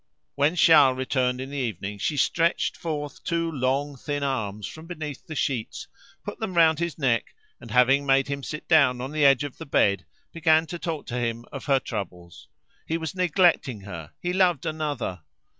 When Charles returned in the evening, she stretched forth two long thin arms from beneath the sheets, put them round his neck, and having made him sit down on the edge of the bed, began to talk to him of her troubles: he was neglecting her, he loved another.